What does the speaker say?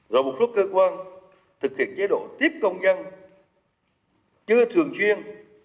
rồi một số cơ quan thực hiện chế độ tiếp công dân chưa thường xuyên